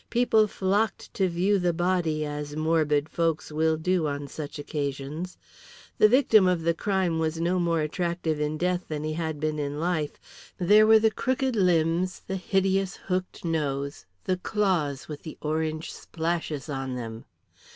People flocked to view the body as morbid folks will do on such occasions. The victim of the crime was no more attractive in death than he had been in life. There were the crooked limbs, the hideous hooked nose, the claws with the orange splashes on them.